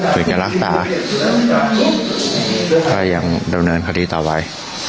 คือจะรักษาก็ยังดำเนินคดีต่อไป